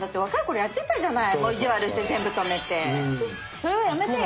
それはやめてよ。